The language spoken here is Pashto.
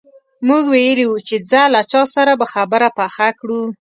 موږ ویلي وو چې ځه له چا سره به خبره پخه کړو.